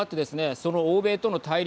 その欧米との対立